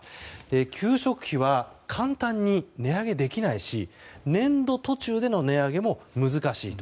給食費は簡単に値上げできないし年度途中での値上げも難しいと。